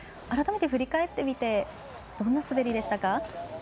改めて振り返ってみてどんな滑りでしたか？